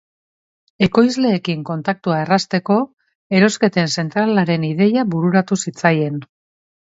Ekoizleekin kontaktua errazteko, erosketen zentralaren ideia bururatu zitzaien.